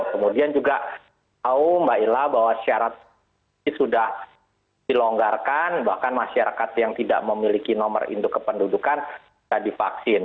kemudian juga tahu mbak ila bahwa syarat ini sudah dilonggarkan bahkan masyarakat yang tidak memiliki nomor induk kependudukan sudah divaksin